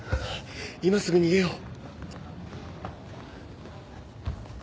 今すぐ逃げよう。